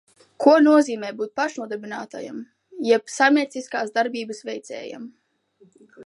Ko nozīmē būt pašnodarbinātajam jeb saimnieciskās darbības veicējam?